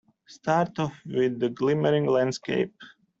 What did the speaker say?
Start off with the glimmering landscape.